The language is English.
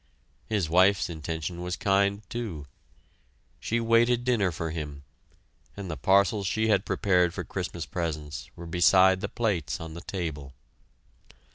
His wife's intention was kind, too. She waited dinner for him, and the parcels she had prepared for Christmas presents were beside the plates on the table.